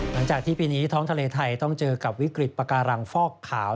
หลังจากที่ปีนี้ท้องทะเลไทยต้องเจอกับวิกฤตปากการังฟอกขาว